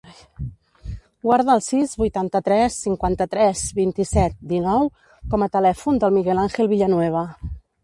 Guarda el sis, vuitanta-tres, cinquanta-tres, vint-i-set, dinou com a telèfon del Miguel àngel Villanueva.